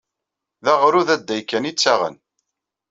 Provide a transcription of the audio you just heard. D aɣrud adday kan i ttaɣen.